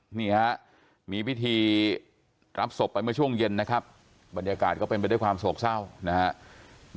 นี่ฮะมีพิธีรับศพไปเมื่อช่วงเย็นนะครับบรรยากาศก็เป็นไปด้วยความโศกเศร้านะครับ